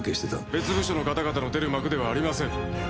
「別部署の方々の出る幕ではありません」